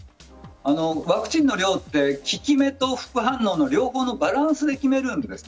ワクチンの量は効き目と副反応の両方のバランスで決めるんです。